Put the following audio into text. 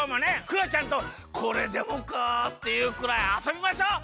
クヨちゃんとこれでもかっていうくらいあそびましょう！